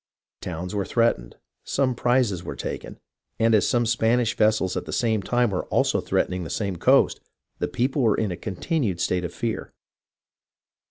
Towns were threatened, some prizes were taken, and as some Spanish vessels at the same time were also threatening the same coast, the people were in a continued state of fear.